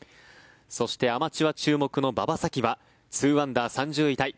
そしてアマチュア注目の馬場咲希は２アンダー、３０位タイ。